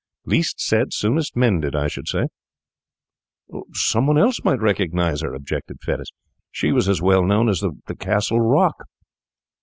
Least said soonest mended, I should say.' 'Some one else might recognise her,' objected Fettes. 'She was as well known as the Castle Rock.